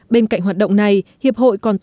bên cạnh hoạt động này hiệp hội còn tổ chức